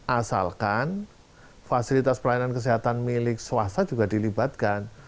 asalkan fasilitas pelayanan kesehatan milik swasta juga dilibatkan